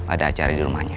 ada acara di rumahnya